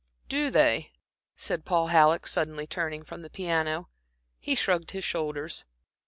"Do they?" said Paul Halleck, suddenly turning from the piano. He shrugged his shoulders.